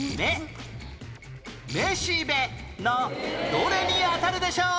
どれに当たるでしょう？